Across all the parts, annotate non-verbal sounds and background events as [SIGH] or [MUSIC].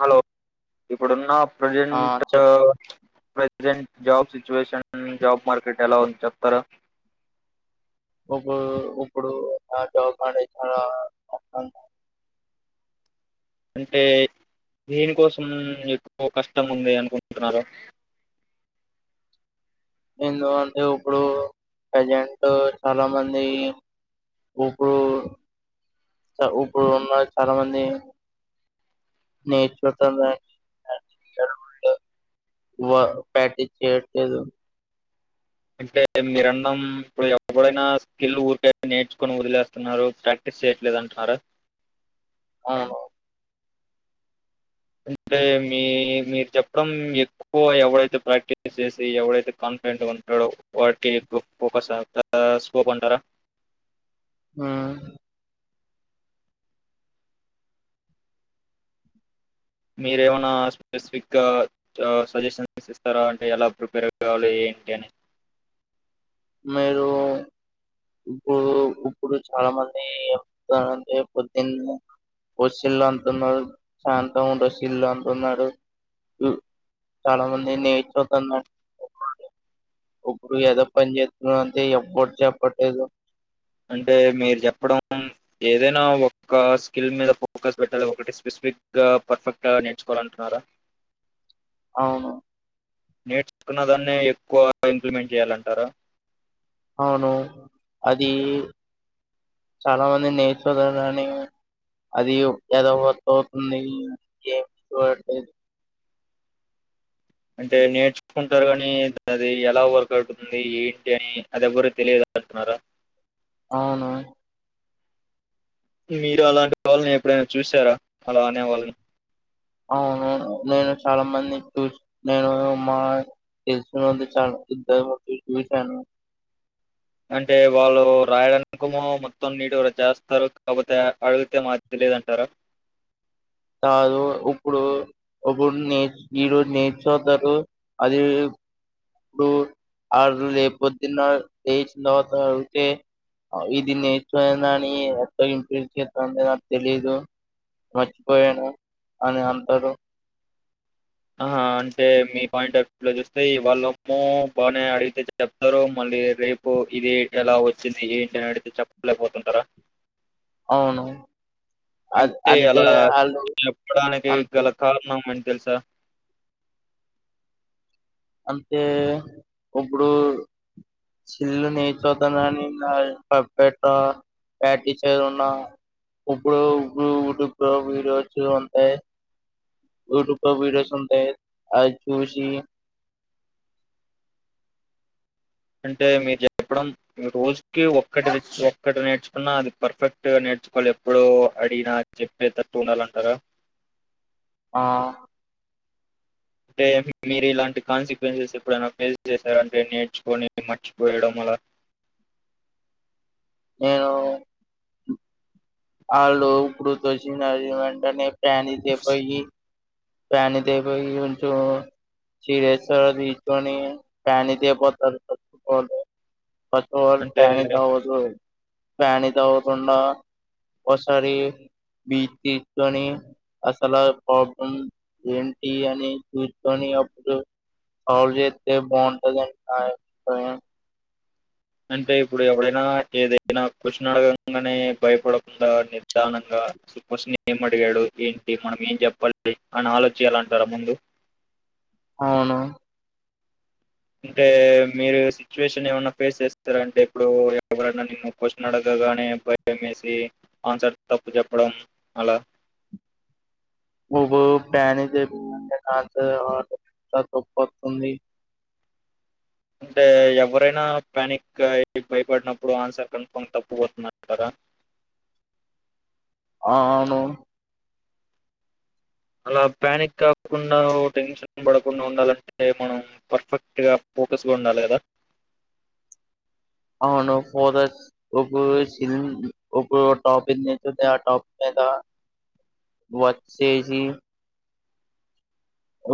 Hello ఇప్పుడున్న ఆ present చెప్ present job situation. Job market ఎలా ఉంద్ చెప్తారా. ఊపు ఉప్పుడు [UNINTELLIGIBLE] వస్తంద అంటే దేనికోసం ఎక్కువ కష్టం ఉంది. అనుకుంటున్నారు. ఎందుకంటే ఉప్పుడు ఏజెంట్ చాలా మంది. ఉప్పుడు ఉప్పుడు ఉన్న చాలా మంది. నేర్చుకొంతనే వా ప్యాటిస్ చేయట్లేదు. అంటే మీరన్నం ఇప్పుడు ఎవడైనా స్కిల్ ఊరికే నేర్చుకొని వదిలేస్తున్నారు. ప్రాక్టీస్ చేయట్లేదు అంటరా. అవును అంటే మీ మీరు చెప్పడం ఎక్కువ ఎవడైతే ప్రాక్టీస్ చేసి ఎవడైతే కాన్ఫిడెంట్గా ఉంటాడో. వాట్డ్ కి ఎక్కువ ఫోకస్ [UNINTELLIGIBLE] స్కోప్ అంటారా. హహ్ మీరేమైనా స్పెసిఫిక్గా ఆ సజెషన్స్ ఇస్తారా. అంటే ఎలా ప్రిపేర్ అవ్వాలి ఏంటి అని. మీరు ఉప్పుడు ఉప్పుడు చాలా మంది. ఏం చెయాలంటే పొద్దున్నే [INAUDIBLE] వచ్చిల్లు అంటున్నారు. శాంత ఉండచ్చిల్ అంటున్నారు. చాలా మంది నేర్చుకోన్ [UNINTELLIGIBLE] పోతన్న. ఉప్పుడు ఎదో పని చేత్ రంతె ఎవ్వడ్ చెప్పటేదు. అంటే మీరు చెప్పడం ఏదైనా ఒక స్కిల్ మీద ఫోకస్ పెట్టాలి ఒకటి స్పెసిఫిక్ గా పర్ఫెక్ట్ గా నేర్చుకోవాలంటున్నారా అవును నేర్చుకున్న దాన్నే ఎక్కువ ఇంప్లిమెంట్ చేయాలంటారా అవును అది చాలా మంది నేర్చుని అది ఎద అవుతుంది ఏ చూడలేదు అంటే నేర్చుకుంటారు కాని అది ఎలా వర్క్ అవుతుంది ఏంటి అని అది ఎ్వరుూ తెలియదు అంటున్నారా అవును మీరు అలాంటి వాళ్ళని ఎప్పుడైనా చూసారా అలా అనే వాళ్ళని అవును నేను చాలా మంది చూసి నేను మా తెలిసినది చాలాద్ద చూశాను అంటే వాళ్ళు రాయడాకము మొత్తం నీటి కూడా చేస్తారు కాకపోతే అడిగితే మాది తెలిదంటారు కాదు ఉప్పుడు ఒకప్పుడు నేర్చ ఈరోజు నేర్చుతారు అది ఇప్పుడు ఆు లేపోద్దున్న లేచిన తర్వాత అడిగితే ఇది నేర్చున అని ఎట్ ఇంపె చే నాకు తెలిదు మర్చిపోయాను అని అంటారు ఆ అంటే మీ పాయింట్ ఆఫ్ వ్యూ లో చూస్తే వాళ్ళమ్మో బాగానే అడిగితే చెప్తారు మళ్ళీ రేపు ఇది ఎలా వచ్చింది ఏ ఏంటి అని అడిగితే చెప్పలేకపోతుంటారా అవును అది అంటే అంతే అలా వాళ్ళు చెప్పడానికి అంతే గల కారణం మంచి తెలుసా అంటే ఇప్పుడు సిల్లు నేర్చోద్దానని కెట్ట ప్యాటిస ఉన్న ఇప్పుడు యూట్యూబ్ లో వీడియోస్ ఉంటాయి యూట్యూబ్ లో వీడియోస్ ఉంటాయి అది చూసి అంటే మీరు చెప్పడం రోజుకి ఒక్కటి ఒక్కటి నేర్చుకున్న అది పర్ఫెక్ట్గా నేర్చుకోవాలి ఎప్పుడు అడిగినా చెప్పే తట్టు ఉండాలంటారా ఆ అంటే మీరు ఇలాంటి కాన్సిక్వెన్సెస్ ఎప్పుడైనా ఫేస్ చేశారంటే నేర్చుకొని మర్చిపోయడం అలా నేను ఆలూ ఇప్పుడు క్యస్షన్ అడిగిన వెంటనే టాని చెప్పయి ప్యాని తీ పోయి శరేశ్వర తీసుని ప్యాని తీపోతారు ఫస్ట్ అఫ్ అల్ అంటే పానిక్ అవ్వద్దు కానీ అవకుండా ఒసారి బ్రీత్ తీసుకొని అసలు ప్రాబ్లం ఏంటి అని చూసుకొని అప్పుడు సాల్వ్ చేస్తే బాగుంటదని నా అభిప్రాయం అంటే ఇప్పుడు ఎవడైనా ఏదైనా క్వశ్చన్ అడగంగానే భయపడకుండా నిర్ధానంగాకష్ని ఏ అడిగాడు ఏంటి మనం ఏం చెప్పాలి అని ఆలోచించాల అంటారా ముందు అవును అంటే మీరు సిచ్యువేషన్ ఏమన్నా ఫేస్ చేస్తారంటే ఇప్పుడు ఎవరనా నిన్న క్వశ్చన్ అడగగానే భయం వేసి ఆన్సర్ తప్పు చెప్పడం అలా నువ్వు పానిక్ చె కా తొప్పు వస్తుంది అంటే ఎవరైనా ప్యానిక్ భయపడినప్పుడు ఆన్సర్ కన్ఫాంగ్ తప్పు పోతుందంటారా ఆ అవును అలా ప్యానిక్ కాకుండా టెన్షన్ పడకుండా ఉండాలంటే మనం పర్ఫెక్ట్ గా ఫోకస్గా ఉండాలి కదా అవును ఫో ఒక ఒక టాపిక్ నుంది ఆ టాపిక్ మీద వచ్చేసి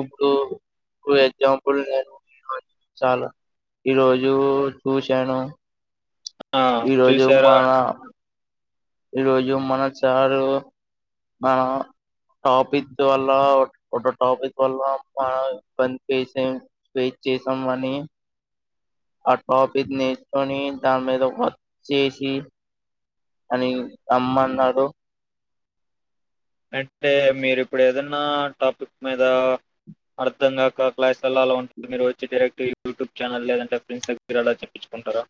ఇప్పుడు ఇప్పుడు ఎగ్జాంపుల్ నేను చాలా ఈ రోజు చూశాను ఆ ఈ రోజు చూసారా మన ఈ రోజు మన సారు మన టాపిక్ వల్ల ఒక టాపిక్ వల్ల మన ఇబ్బందిసే ఫేస్ చేసాం అని ఆ టాపిక్ నేర్చుకొని దాని మీద వచ్చేసి అని రమ్మన్నారుడు అంటే మీరు ఇప్పుడు ఏదనా టాపిక్ మీద అర్థం కాక క్లాస్లో అలా ఉంటుంది మీరు వచ్చి డైరెక్ట్ యూట్యూబ్ ఛానల్ లేదంటే ఫ్రెండ్స్ దగ్గర అలా చెప్పించుకుంటారా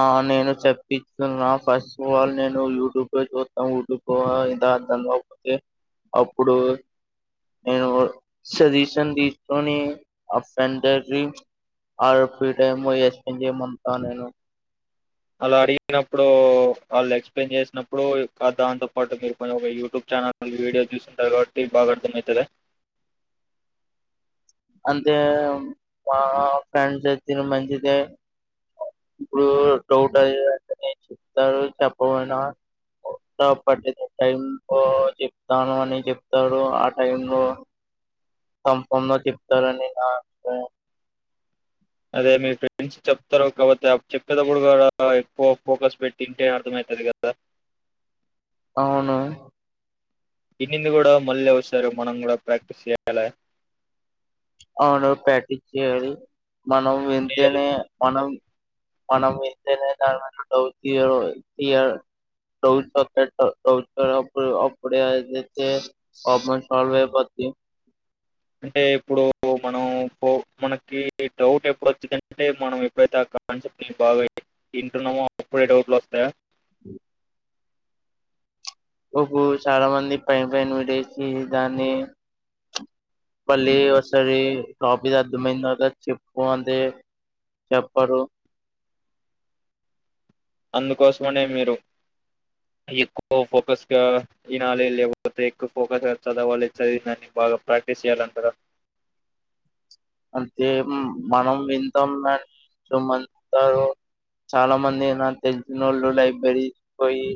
ఆ నేను చెప్పస్తున్నా ఫస్ట్ఫ్ ఆల్ నేను యూట్యూబ్ లో చూస్తాను ఇద అర్థం కాకతే అప్పుడు నేను సజెషన్ తీసుకొని ఆ [UNINTELLIGIBLE] నేను అలా అడిగినప్పుడు వాళ్ళు ఎక్స్ప్లెయిన్ చేసినప్పుడు దాంతో పాటు మీరు కొంచం ఒక యూట్యూబ్ ఛానల్ వీడియో చూసుంటారు కాబట్టి బాగా అర్థం అవుతుంది అంటే మా ఫ్రెండ్స్ అయితే మంచిద ఇప్పుడు డౌట్ అదింట చెప్తారు చెప్పమయినా పటి టై లో చెప్తాను అని చెప్తారు ఆ టైం లో కన్ఫామ్ గా చెప్తారని నాకు అదే మీ ఫ్రెండ్స్ చెప్తారు కాపోతే చెప్పేటప్పుడు కూడా ఎక్కువ ఫోకస్ పెట్టింటే అర్థమయితది కదా అవును దీన్నింది కూడా మళ్ళీ వస్తారు మనం కూడా ప్రాక్టీస్ చేయాల అవును పటిచ్చడి మనం వెంతేనే మనం మనౌప్పుడ అంటే ఇప్పుడు మనం మనకి డౌట్ ఎప్పుడు వచ్చిందంటే మనం ఎప్పుడైతే ఆ కాన్సెప్ట్ ని బాగా తింటున్నామో అప్పుడే డౌట్లు వస్తాయి ఒక చాలా మంది పైన పైన విడేసి దాన్ని మళ్ళీ ఒకసారి టాపిక్ అర్థమయింది కర్ద చెప్పు అంతే చెప్పరు అందుకోసమనే మీరు ఎక్కువ ఫోకస్ గా వినాలి లేకపోతే ఎక్కువ ఫోకస్ గా చదవాలి చదివందని బాగా ప్రాక్టీస్ చేయాలింటారా అంతే మనం వింటాం మ చుమంటారు చాలా మంది నా తెసినోళ్ళు లైబ్రరీ పోయి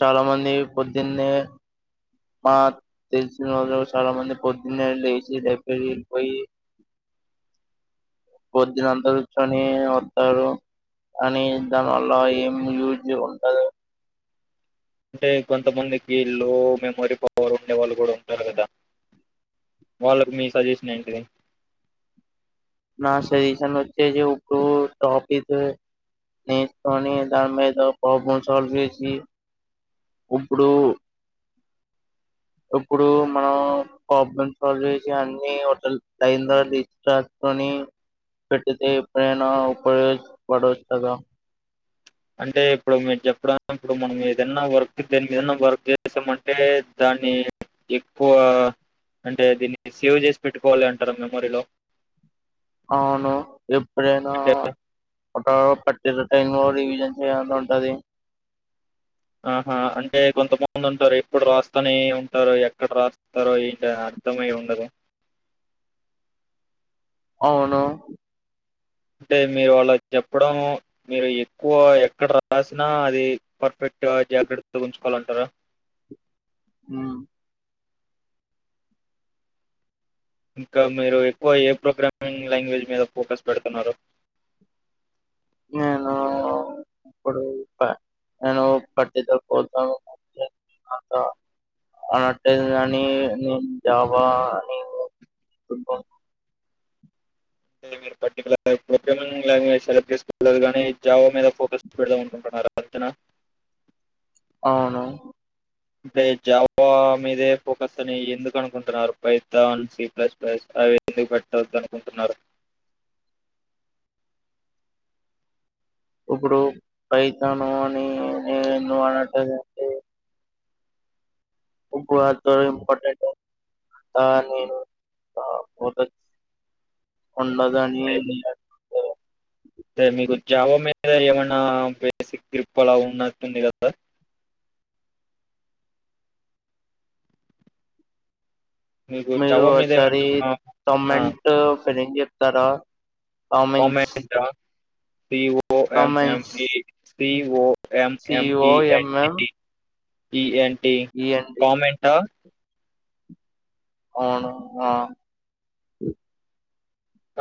చాలా మంది పొద్దున్నే మా తెలిసిన చాలా మంది పొద్దున్నే లేచ ెఫ పోయి పొద్దున అంత కూర్చొని వస్తారు కాని దానివల్ల ఏం యూజ్ ఉంటారు అంటే కొంతమందికి లో మెమొరీ పవర్ ఉండే వాళ్ళు కూడా ఉంటారు కదా వాళ్ళకి మీ సజెషన్ ఏంటిది నా సజెషన్ వచ్చేసి ఇప్పుడు టాపిక్ నేర్చుకొని దాని మీద ప్రాబ్లమ్ సాల్వ్ చేసి ఇప్పుడు ఇప్పుడు మనం ప్రాబ్లం సాల్వ్ చేసి [UNINTELLIGIBLE] అంటే ఇప్పుడుమీరు చెప్పడం ఇప్పుడు మనం ఏదన్నా వర్క్ దాని మీదన్నా వర్క్ చేసామంటే దాన్ని ఎక్కువ అంటే దీన్ని సేవ్ చేసి పెట్టుకోవాలి అంటారు మెమోరీలో అవును ఎప్పుడైనా పట్టటి టైన్ లో రివిజన్ చేయ ఉంటది ఆహా అంటే కొంతమంది ఉంటారు ఎప్పుడు రాస్తానే ఉంటారు ఎక్కడ రాస్తరో [UNINTELLIGIBLE] అర్థమై ఉండదు అవును అంటే మీరు ఆళ్ల చెప్పడం మీరు ఎక్కువ ఎక్కడ రాసినా అది పర్ఫెక్ట్ గా జాగ్రత్త ఉంచుకోవాలంటారా ఉ ఇంకా మీరు ఎక్కువ ఏ ప్రోగ్రామింగ్ లాంగ్వేజ్ మీద ఫోకస్ పెడుతున్నారు నేను ఇప్పుడు ప నేను పట్టితో పోతా [UNINTELLIGIBLE] అన్నట్టు గాని నేను జావా నేను ఫు మీరు పర్టికులర్ ప్రోగ్రామింగ్ లాంగ్వేజ్ సెలెక్ట్ చేసుకోలేదు కానీ జావ మీద ఫోకస్ పెడదాం అనుకుంటున్నారు అంతే నా అవును అంటే జావా మీదే ఫోకస్ అని ఎందుకు అనుకుంటున్నారు పైథాన్ సి ప్లస్ ప్లస్ అవి ఎందుకు పెట్టవద్దు అనుకుంటున్నారు ఇప్పుడు పైతాను అని నేను ఆట [UNINTELLIGIBLE] ఉబ్బు ఆతో ఇంపార్టెంట్ ఆ నేను [UNINTELLIGIBLE] అనుకుంటున్నాను. తే మీకు జావా మే అదే ఏమన్నా బేసిక్ గ్రిప్ అలా ఉన్నట్టుంది కదా మీకు మీరు జావా మీద ఓసారి ఏమైనా ఆ, తొమెంట్ ఫీన్నింగ్ చెప్ తార comments T O O comments MME P O M M E COMM MTT E N ENT comment ఆ అవును ఆ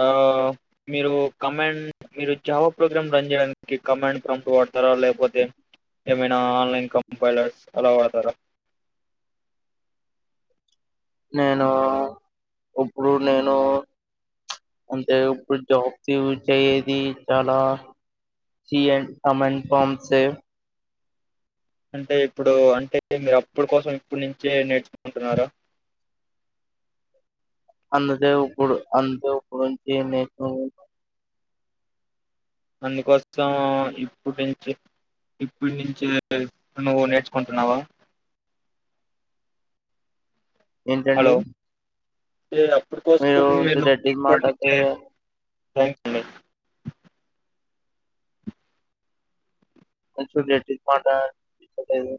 ఆ మీరు కామెంట్ మీరు జవా ప్రోగ్రాం రన్ చేయడానికి కమాండ్ ప్రాంట్ వాడతార లేకపోతే ఏమైనా ఆన్లైన్ కంపైర్స్ అలా వాడతారా నేను ఇప్పుడు నేను ఉచ్ అంటే ఇప్పుడు జాబ్స్ కి ఉచ్ అయ్యేది చాలా సీ అండ్ కమాండ్ ప్రాంట్స్ ఏ అంటే ఇప్పుడు అంటే మీరు అప్పుడు కోసం ఇప్పుడు నుంచే నేర్చుకుంటున్నారా అందుకే ఉప్పుడు అంతే ఉప్పుడుంచి నీకు అంనుకోసం ఇప్పుటించి ఇప్పున్నించె నువ్వు నేర్చుకుంటున్నావా. ఏంటండి. తే అప్పుడు కోసం మీరు మీ లొ, దట్ ఈస్ ఇప్పడ్ నాట్ న్నించె కొంచెం గట్టిక్ మాట ట్లేదు